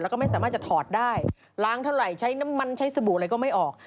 แล้วก็ไม่สามารถจะถอดได้ล้างเท่าไหร่ใช้น้ำมันใช้สบู่อะไรก็ไม่ออก